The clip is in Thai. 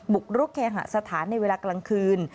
บุกรุกเคหสถานในเวลากลางคืน